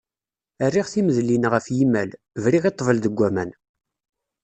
Rriɣ timedlin ɣef yimal, briɣ i ṭṭbel deg uman.